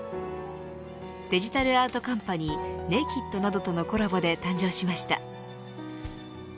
デジタルアートカンパニーネイキッドなどとのコラボで誕生しました。